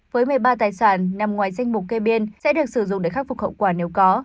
với một mươi ba tài sản nằm ngoài danh mục kê biên sẽ được sử dụng để khắc phục hậu quả nếu có